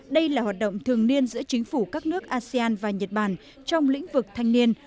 đây là hoạt động thường niên giữa chính phủ các nước asean và nhật bản trong lĩnh vực thanh niên